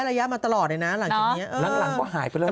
ข้างหลังก็หายไปแล้ว